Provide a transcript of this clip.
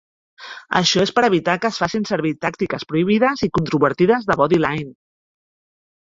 Això és per evitar que es facin servir tàctiques prohibides i controvertides de bodyline.